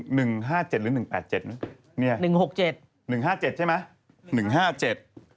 ๑๕๗หรือ๑๘๗